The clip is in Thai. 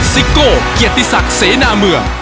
ซิโก้เกียรติศักดิ์เสนาเมือง